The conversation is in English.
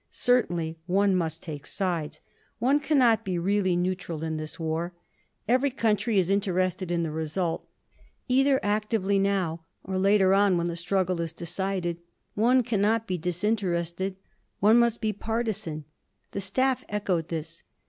"Certainly. One must take sides. One cannot be really neutral in this war. Every country is interested in the result, either actively now or later on, when the struggle is decided. One cannot be disinterested; one must be partisan." The staff echoed this.